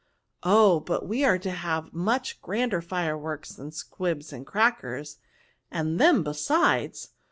" Oh ! but we are to have much grander fireworks than squibs and crackers, and them besides.